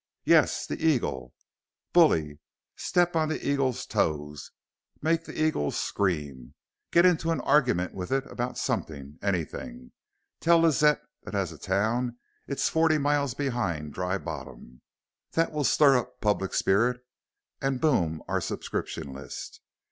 "Yes; the Eagle." "Bully! Step on the Eagle's toes. Make the Eagle scream. Get into an argument with it about something anything. Tell Lazette that as a town it's forty miles behind Dry Bottom. That will stir up public spirit and boom our subscription list.